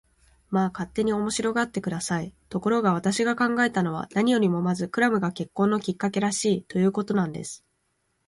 まあ、勝手に面白がって下さい。ところが、私が考えたのは、何よりもまずクラムが結婚のきっかけらしい、ということなんです。